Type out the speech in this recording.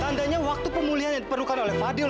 tandanya waktu pemulihan yang diperluar oleh fadil